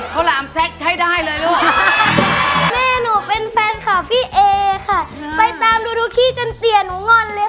ข้าวหลามน้องมนต์